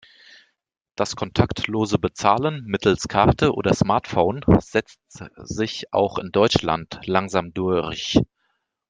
Das kontaktlose Bezahlen mittels Karte oder Smartphone setzt sich auch in Deutschland langsam durch.